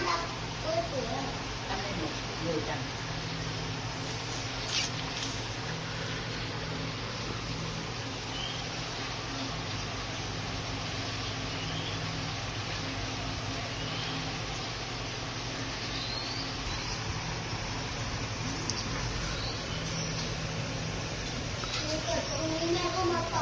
ไอลินมันก็ออกไปเลยนะครับ